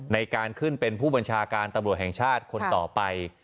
ในการขึ้นเป็นผู้บัญชาการตำรวจแห่งชาติคนต่อไป